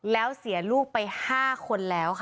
แล้วเสียลูกไป๕คนแล้วค่ะ